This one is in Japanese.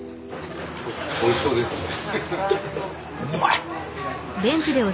おいしそうですね。